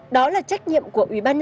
đó là trách nhiệm của các bạn